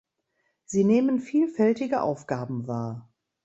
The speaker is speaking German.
Sie nehmen vielfältige Aufgaben wahr.